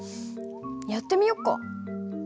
やってみよっか。